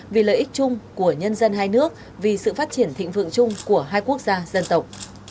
vì lợi ích chung của nhân dân hai nước vì sự phát triển thịnh vượng chung của hai quốc gia dân tộc